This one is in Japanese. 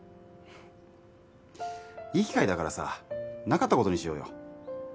いい機会だからさなかったことにしようよ